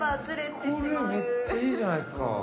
これめっちゃいいじゃないっすか。